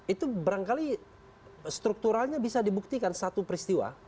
itu barangkali strukturalnya bisa dibuktikan satu peristiwa